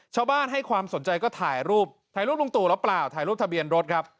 ให้ความสนใจก็ถ่ายรูปถ่ายรูปลุงตู่หรือเปล่าถ่ายรูปทะเบียนรถครับ